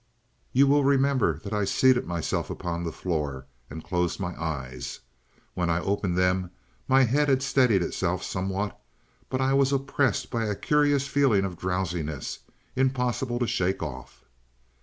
"You will remember that I seated myself upon the floor and closed my eyes. When I opened them my head had steadied itself somewhat, but I was oppressed by a curious feeling of drowsiness, impossible to shake off.